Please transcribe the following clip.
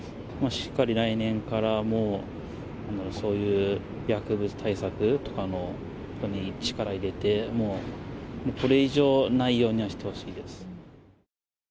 しっかり来年からもう、そういう薬物対策とかのほうに力を入れて、もうこれ以上ないようにはしてほしいです。